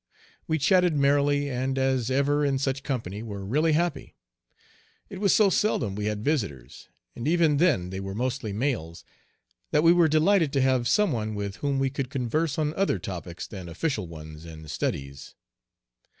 We chatted merrily, and as ever in such company were really happy. It was so seldom we had visitors and even then they were mostly males that we were delighted to have some one with whom we could converse on other topics than official ones and studies.